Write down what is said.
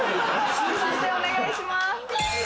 判定お願いします。